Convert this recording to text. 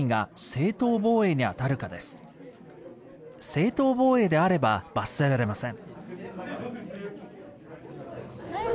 正当防衛であれば罰せられません。